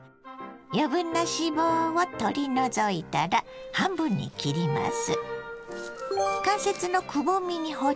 余分な脂肪を取り除いたら半分に切ります。